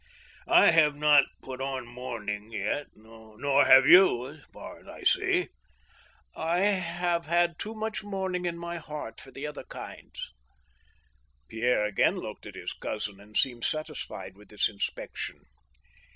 ... I have not put on mourning yet ;... nor have you, as far as I see." " I have had too much mourning in my heart of other kinds I " Pierre ^gain looked at his cousin, and seemed satisfied with this inspection.